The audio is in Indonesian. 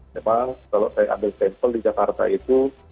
memang kalau saya ambil sampel di jakarta itu